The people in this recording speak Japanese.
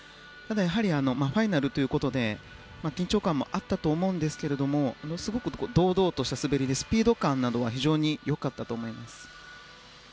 ファイナルということで緊張感もあったと思いますがものすごく堂々とした滑りでスピード感などは非常に良かったと思います。